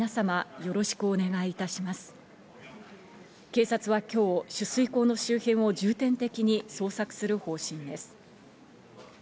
警察は今日、取水口の周辺を重点的に捜索する方針です。